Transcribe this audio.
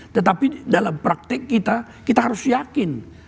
tetapi dalam praktek kita kita harus yakin